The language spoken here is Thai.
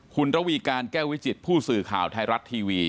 คุณระวีการแก้ววิจิตผู้สื่อข่าวไทยรัฐทีวี